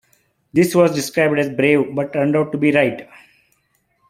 This was described as "brave" but turned out to be right.